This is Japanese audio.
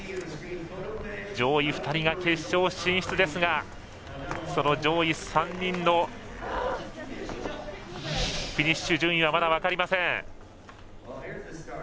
上位２人が決勝進出ですが上位３人のフィニッシュ順位はまだ分かりません。